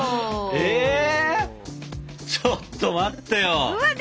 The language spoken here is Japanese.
えちょっと待ってよ。